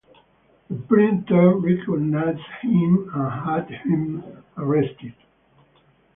The printer recognised him and had him arrested.